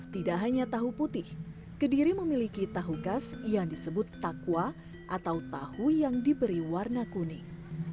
tidak hanya tahu putih kediri memiliki tahu khas yang disebut takwa atau tahu yang diberi warna kuning